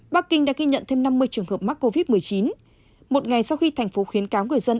bắc kinh đã ghi nhận thêm năm mươi trường hợp mắc covid một mươi chín một ngày sau khi thành phố khuyến cáo người dân